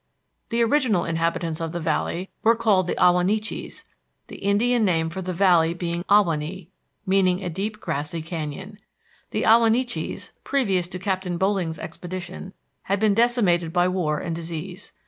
The original inhabitants of the Valley were called the Ahwahneechees, the Indian name for the Valley being Ahwahnee, meaning a deep grassy canyon. The Ahwahneechees, previous to Captain Boling's expedition, had been decimated by war and disease.